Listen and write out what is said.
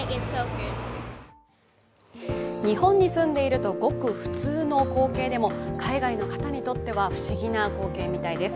日本に住んでいるとごく普通の光景でも海外の方にとっては不思議な光景みたいです。